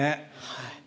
はい。